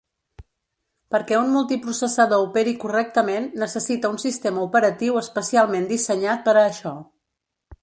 Perquè un multiprocessador operi correctament necessita un sistema operatiu especialment dissenyat per a això.